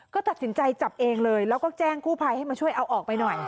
ก็ตัดสินใจจับเองเลยแล้วก็แจ้งกู้ภัยให้มาช่วยเอาออกไปหน่อย